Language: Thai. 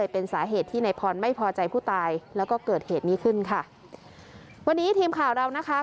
เป็นสาเหตุที่นายพรไม่พอใจผู้ตายแล้วก็เกิดเหตุนี้ขึ้นค่ะวันนี้ทีมข่าวเรานะคะ